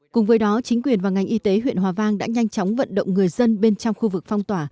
cùng với đó chính quyền và ngành y tế huyện hòa vang đã nhanh chóng vận động người dân bên trong khu vực phong tỏa